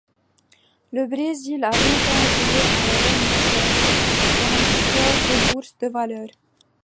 Le Brésil a longtemps joué un rôle modeste dans l'Histoire des bourses de valeurs.